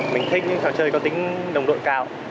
mình thích những trò chơi có tính đồng đội cao